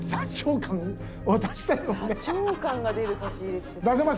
「座長感が出る差し入れって」